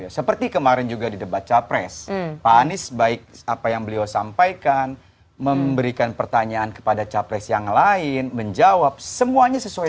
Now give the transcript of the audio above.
seperti kemarin juga di debat capres pak anies baik apa yang beliau sampaikan memberikan pertanyaan kepada capres yang lain menjawab semuanya sesuai tema